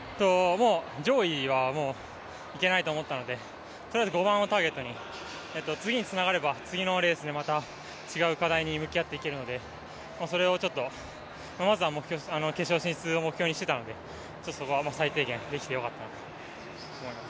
上位はいけないと思ったので、５番をターゲットに次につながれば次のレースでまた違う課題に向き合っていけるのでまずは決勝進出を目標にしていたので、そこは最低限できてよかったなと思います。